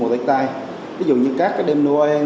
ví dụ như các đêm noel